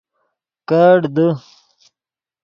کیڑ دے